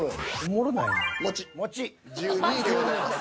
もち１２位でございます。